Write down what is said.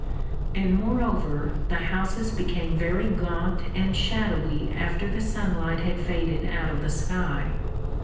And moreover the houses became very gaunt and shadowy after the sunlight had faded out of the sky.